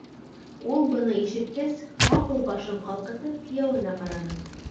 Ул, быны ишеткәс, ҡапыл башын ҡалҡытып, кейәүенә ҡараны.